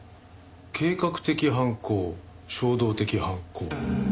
計画的犯行衝動的犯行。